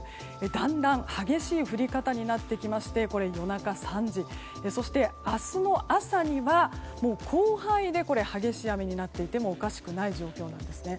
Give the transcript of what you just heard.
だんだん激しい降り方になってきまして夜中３時そして明日の朝には広範囲で激しい雨になっていてもおかしくない状況なんですね。